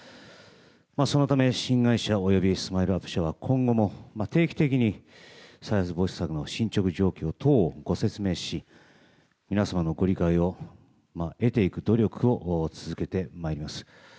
そのため、新会社及びＳＭＩＬＥ‐ＵＰ．社は今後も定期的に再発防止策の進捗状況等をご説明し皆様のご理解を得ていく努力を続けてまいります。